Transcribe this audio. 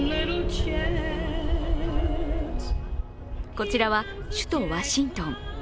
こちらは首都ワシントン。